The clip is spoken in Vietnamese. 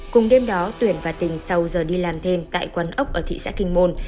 cùng đêm đó tuyển và tình sau giờ đi làm thêm tại quán ốc ở thị xã kinh môn